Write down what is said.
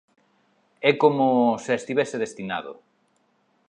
É como... se estivese destinado.